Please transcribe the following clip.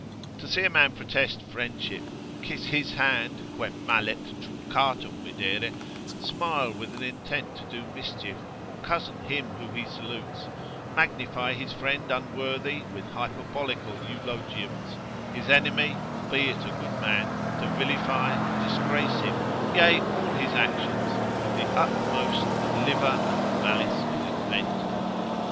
To see a man protest friendship, kiss his hand, quem mallet truncatum videre, smile with an intent to do mischief, or cozen him whom he salutes, magnify his friend unworthy with hyperbolical eulogiums; his enemy albeit a good man, to vilify and disgrace him, yea all his actions, with the utmost that livor and malice can invent.